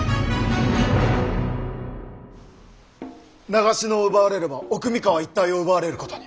長篠を奪われれば奥三河一帯を奪われることに。